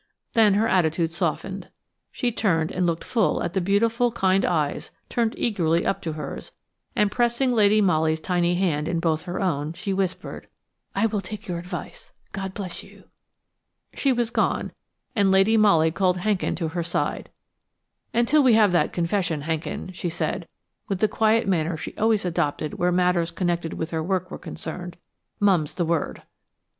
Then her attitude softened; she turned and looked full at the beautiful, kind eyes turned eagerly up to hers, and pressing Lady Molly's tiny hand in both her own she whispered: "I will take your advice. God bless you." She was gone, and Lady Molly called Hankin to her side. "Until we have that confession, Hankin," she said, with the quiet manner she always adopted where matters connected with her work were concerned, "Mum's the word."